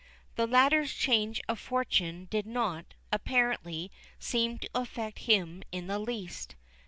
The latter's change of fortune did not, apparently, seem to affect him in the least.